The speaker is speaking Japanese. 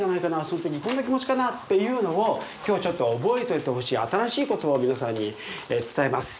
それともこんな気持ちかな？っていうのを今日はちょっと覚えといてほしい新しい言葉を皆さんに伝えます。